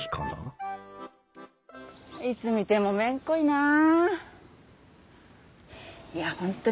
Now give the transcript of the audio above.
いつ見てもめんこいなあ。